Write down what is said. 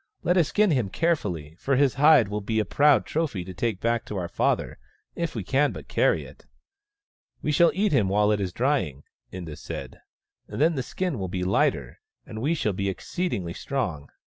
Let us skin him carefully, for his hide will be a proud trophy to take back to our father — if we can but carry it." " We shall eat him while it is dr3ang," Inda said. " Then the skin will be lighter, and we shall be exceedingly strong.